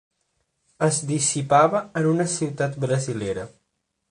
Es dissipava en una ciutat brasilera.